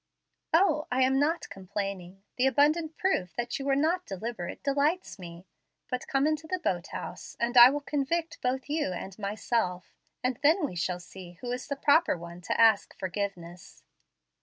"O, I am not complaining. The abundant proof that you were not deliberate delights me. But come into the boat house, and I will convict both you and myself, and then we shall see who is the proper one to ask forgiveness.